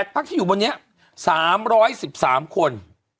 พักที่อยู่บนนี้๓๑๓คน